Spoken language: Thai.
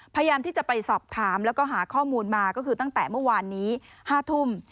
พยายามที่จะไปสอบถามแล้วก็หาข้อมูลมาก็คือตั้งแต่เมื่อวานนี้๕ทุ่ม